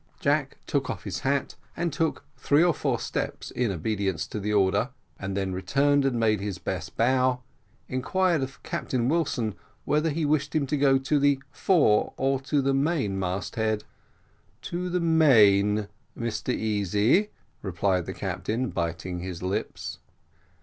Jack took off his hat, and took three or four steps, in obedience to the order and then returned and made his best bow inquired of Captain Wilson whether he wished him to go to the fore or to the main mast head. "To the main, Mr Easy," replied the captain, biting his lips.